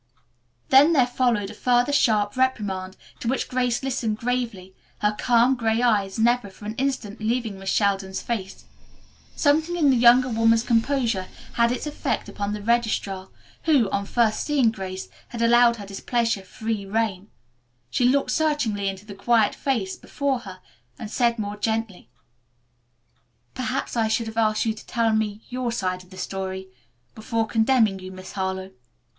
Then there followed a further sharp reprimand to which Grace listened gravely, her calm, gray eyes never for an instant leaving Miss Sheldon's face. Something in the younger woman's composure had its effect upon the registrar, who, on first seeing Grace, had allowed her displeasure free rein. She looked searchingly into the quiet face before her and said more gently, "Perhaps I should have asked you to tell me your side of the story, before condemning you, Miss Harlowe."